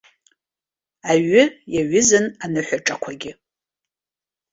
Аҩы иаҩызан аныҳәаҿақәагьы.